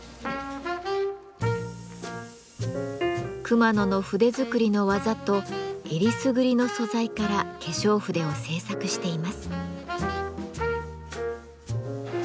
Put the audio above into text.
熊野の筆作りの技とえりすぐりの素材から化粧筆を製作しています。